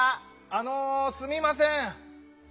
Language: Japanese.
あのすみません。